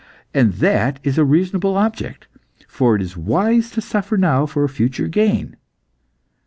And that is a reasonable object, for it is wise to suffer now for a future gain.